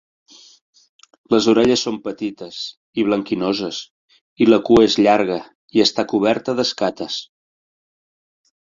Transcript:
Les orelles són petites i blanquinoses i la cua és llarga i està coberta d'escates.